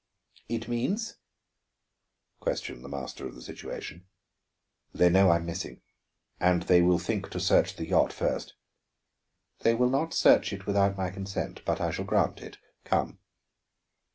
"It means?" questioned the master of the situation. "They know I am missing and they will think to search the yacht first." "They will not search it without my consent, but I shall grant it. Come."